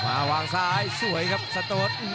กำปั้นขวาสายวัดระยะไปเรื่อย